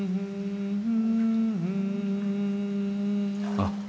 ［あっ。